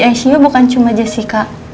icu bukan cuma jessica